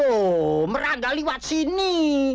oh merah nggak lewat sini